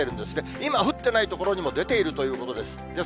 今、降っていない所にも出ているということです。